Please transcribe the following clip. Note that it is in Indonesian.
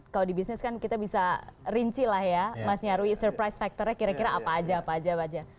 kalau di bisnis kan kita bisa rinci lah ya mas nyarwi surprise factornya kira kira apa aja apa aja baja